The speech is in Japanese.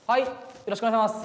よろしくお願いします。